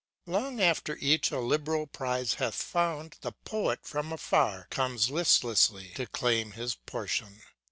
ŌĆö Long after each a liberal prize hath found, The Poet, from afar, comes listlessly. To claim his portion.